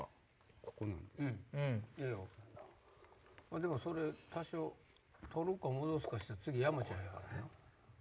でもそれ多少取るか戻すかして次山ちゃんやから。